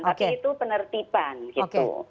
tapi itu penertiban gitu